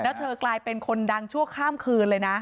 แล้วเธอกลายเป็นคนดังชั่วข้ามคืนเลยนะ